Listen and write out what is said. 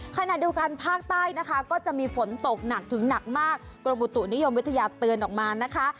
ขณะเดียวกันภาคใต้นะคะก็จะมีฝนตกหนักถึงหนักมากกรมบุตุนิยมวิทยาเตือนออกมานะคะ